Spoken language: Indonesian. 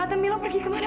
tata milo pergi kemana